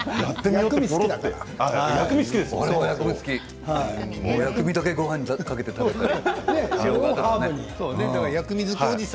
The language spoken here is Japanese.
薬味好きごはんにかけて食べるの。